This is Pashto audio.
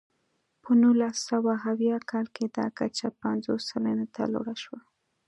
په نولس سوه اویا کال کې دا کچه پنځوس سلنې ته لوړه شوه.